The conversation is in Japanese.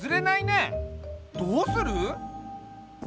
どうする？